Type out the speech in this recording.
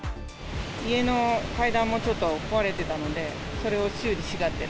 家の階段もちょっと壊れてたので、それを修理がてら。